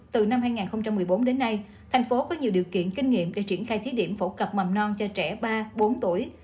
từ năm hai nghìn một mươi bốn đến nay thành phố có nhiều điều kiện kinh nghiệm để triển khai thí điểm phổ cập mầm non cho trẻ ba bốn tuổi